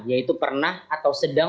yaitu pernah atau sedang